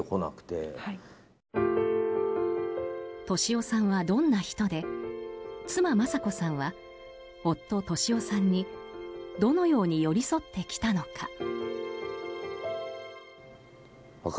俊夫さんはどんな人で妻・雅子さんは夫・俊夫さんにどのように寄り添ってきたのか。